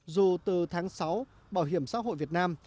dù từ tháng sáu bảo hiểm xã hội việt nam